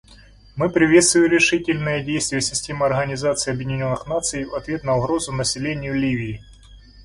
Мы приветствуем решительные действия системы Организации Объединенных Наций в ответ на угрозу населению Ливии.